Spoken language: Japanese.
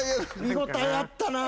見応えあったな。